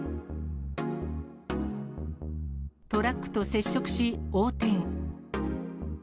トラックと接触し横転。